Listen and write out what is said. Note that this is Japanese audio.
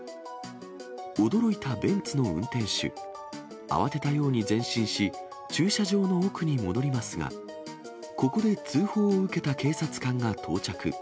驚いたベンツの運転手、慌てたように前進し、駐車場の奥に戻りますが、ここで通報を受けた警察官が到着。